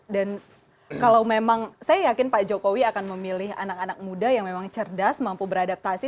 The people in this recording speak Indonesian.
dan kalau memang saya yakin pak jokowi akan memilih anak anak muda yang memang cerdas mampu beradaptasi